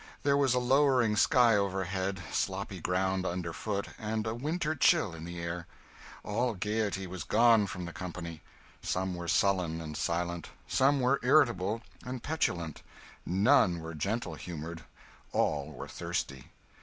There was a lowering sky overhead, sloppy ground under foot, and a winter chill in the air. All gaiety was gone from the company; some were sullen and silent, some were irritable and petulant, none were gentle humoured, all were thirsty.